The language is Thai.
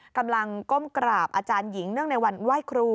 ก้มกราบอาจารย์หญิงเนื่องในวันไหว้ครู